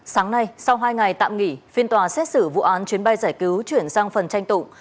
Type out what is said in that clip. sáng nay sau hai ngày tạm nghỉ phiên tòa xét xử vụ án chuyến bay giải cứu chuyển sang phần tranh tụng